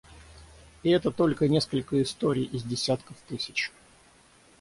И это только несколько историй из десятков тысяч.